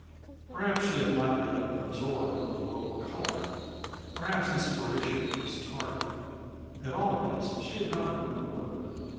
Perhaps she had not yet "absorbed" the "local color"; perhaps inspiration was tardy. At all events she had not written a word.